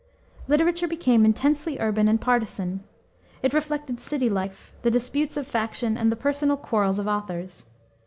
Literature became intensely urban and partisan. It reflected city life, the disputes of faction, and the personal quarrels of authors.